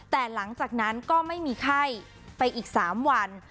แต่หลังจากนั้นก็ไม่มีไข้ไปอีก๓วัน